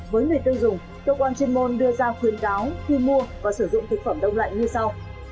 với người tiêu dùng cơ quan chuyên môn đưa ra khuyến cáo khi mua và sử dụng thực phẩm đông lạnh như sau